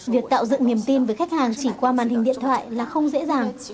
việc tạo dựng niềm tin với khách hàng chỉ qua màn hình điện thoại là không dễ dàng